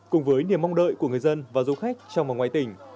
cùng với niềm mong đợi của người dân và du khách trong và ngoài tỉnh